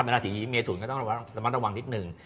ในราศีเมศูนย์ก็ต้องระวังนิดหนึ่ง